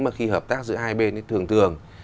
mà khi hợp tác giữa hai bên thì thường thường